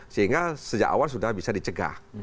sehingga sejak awal sudah bisa dicegah